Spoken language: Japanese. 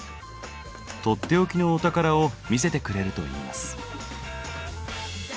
取って置きのお宝を見せてくれるといいます。